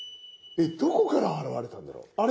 どこから現れたんだろう？